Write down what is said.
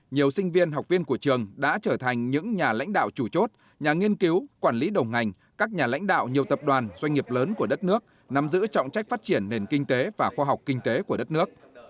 nhiều sinh viên học viên của trường đã trở thành những nhà lãnh đạo chủ chốt nhà nghiên cứu quản lý đầu ngành các nhà lãnh đạo nhiều tập đoàn doanh nghiệp lớn của đất nước nằm giữ trọng trách phát triển nền kinh tế và khoa học kinh tế của đất nước